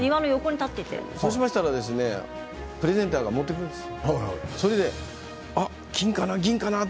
そうするとプレゼンターが持ってくるんです。